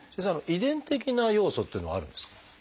遺伝的な要素っていうのはあるんですか？